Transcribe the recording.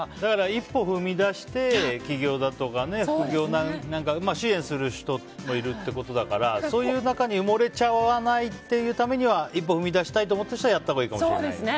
一歩踏み出して起業とか副業なんかを支援する人もいるってことだからそういう中に埋もれちゃわないためには一歩踏み出したいと思っている人はやったほうがいいかもしれないね。